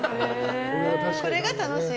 これが楽しい。